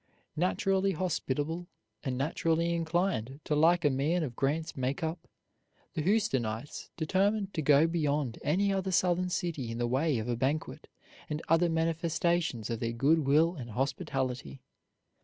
Naturally hospitable, and naturally inclined to like a man of Grant's make up, the Houstonites determined to go beyond any other Southern city in the way of a banquet and other manifestations of their good will and hospitality.